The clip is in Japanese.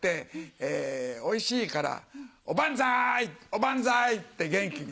えおいしいから「おばんざいおばんざい！」って元気に。